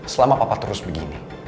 selama papa terus begini